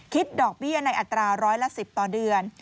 ดอกเบี้ยในอัตราร้อยละ๑๐ต่อเดือน